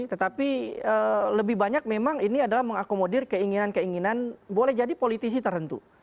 tetapi lebih banyak memang ini adalah mengakomodir keinginan keinginan boleh jadi politisi tertentu